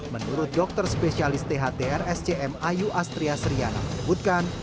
menurut dokter spesialis thtr scm ayu astria seryana menyebutkan